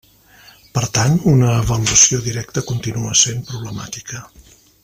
Per tant, una avaluació directa continua sent problemàtica.